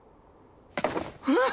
えっ？